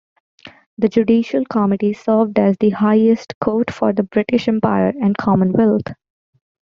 The Judicial Committee served as the highest court for the British Empire and Commonwealth.